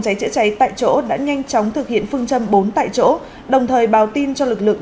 cháy chữa cháy tại chỗ đã nhanh chóng thực hiện phương châm bốn tại chỗ đồng thời báo tin cho lực lượng